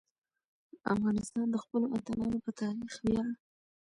افغانستان د خپلو اتلانو په تاریخ ویاړي.